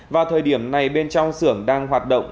vào thời điểm này bên trong xưởng đang hoạt động